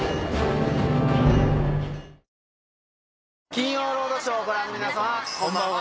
『金曜ロードショー』をご覧の皆さまこんばんは。